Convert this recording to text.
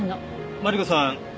マリコさん